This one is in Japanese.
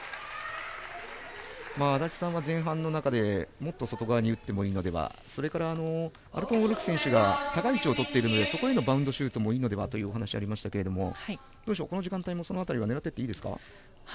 安達さんは前半の中でもっと外側に打ってもいいのではとそれからアルトゥンオルク選手が高い位置を取っているのでそこへのバウンドシュートでもいいのではというお話ありましたがこの時間帯もその辺りは狙っていっていいですか？